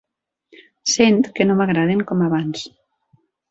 Sent que no m'agraden com abans.